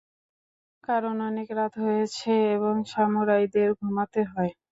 কারণ অনেক রাত হয়েছে, এবং সামুরাইদেরও ঘুমাতে হয়।